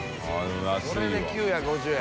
これで９５０円。